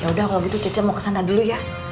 ya udah kalo gitu cece mau kesana dulu ya